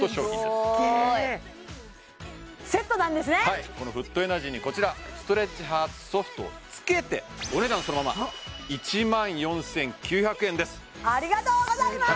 すごいすっげはいこのフットエナジーにこちらストレッチハーツソフトを付けてお値段そのまま１万４９００円ですありがとうございます！